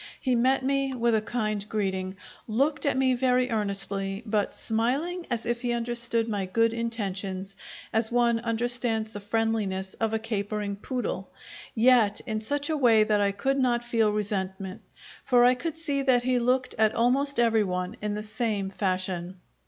He met me with a kind greeting, looked at me very earnestly, but smiling as if he understood my good intentions, as one understands the friendliness of a capering poodle, yet in such a way that I could not feel resentment, for I could see that he looked at almost everyone in the same fashion.